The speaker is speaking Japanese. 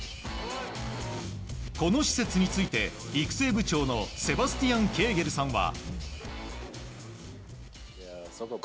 この施設について育成部長のセバスティアン・ゲーゲルさんは。